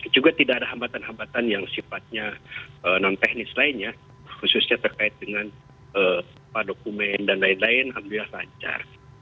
juga tidak ada hambatan hambatan yang sifatnya non teknis lainnya khususnya terkait dengan dokumen dan lain lain alhamdulillah lancar